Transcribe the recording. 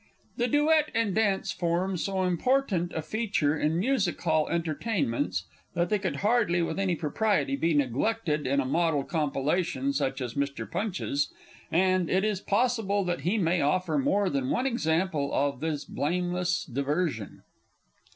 The "Duet and Dance" form so important a feature in Music hall entertainments, that they could hardly, with any propriety, be neglected in a model compilation such as Mr. Punch's, and it is possible that he may offer more than one example of this blameless diversion.